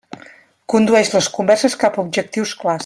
Condueix les converses cap a objectius clars.